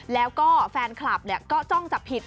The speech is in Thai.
แล้วก็แฟนคลับก็จ้องจับผิด